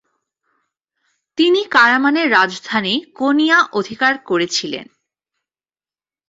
তিনি কারামানের রাজধানী কোনিয়া অধিকার করেছিলেন।